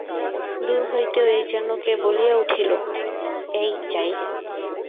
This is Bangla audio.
দূর হইতে ওই যেন কে বলিয়া উঠিল, এই যাই রে।